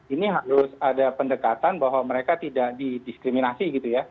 ini harus ada pendekatan bahwa mereka tidak didiskriminasi gitu ya